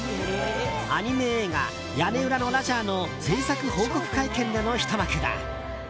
アニメ映画「屋根裏のラジャー」の制作報告会見でのひと幕だ。